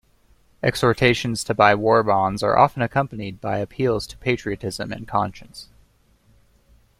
Exhortations to buy war bonds are often accompanied by appeals to patriotism and conscience.